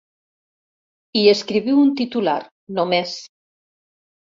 I escriviu un titular, només.